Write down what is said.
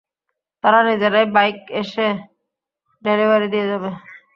তারা নিজেরাই বাইক এসে ডেলিভারি দিয়ে যাবে।